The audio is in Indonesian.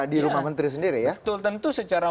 di rumah menteri sendiri ya betul tentu secara